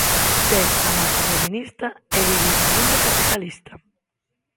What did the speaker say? Ser anarcofeminista e vivir nun mundo capitalista.